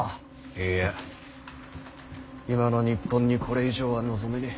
いや今の日本にこれ以上は望めねぇ。